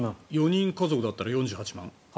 ４人家族だったら４８万円。